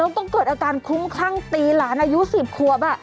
แล้วก็เกิดอาการคุ้มคลั่งตีหลานอายุ๑๐ขวบ